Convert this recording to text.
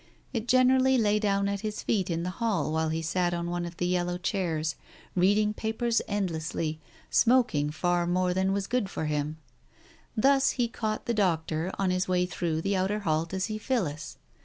It generally lay at his feet in the hall while he sat on one of the yellow chairs, reading papers endlessly, smoking far more than was good for him. Thus he caught the doctor, on his way through the outer hall to see Phillis.